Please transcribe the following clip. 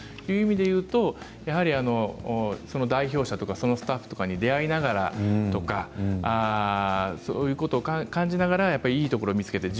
そういう意味でいうと代表者とかそのスタッフに出会いながらそういうことを感じながらいいところを見つけていく。